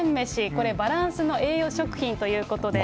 これ、バランスの栄養食品ということで。